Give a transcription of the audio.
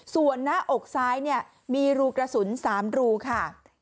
ส่วนหน้าอกซ้ายเนี่ยมีรูกระสุน๓รูค่ะ